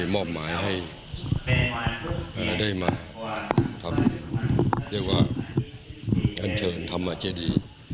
มอบหมายให้ได้มาทำอัญเชิญธรรมเจดีย์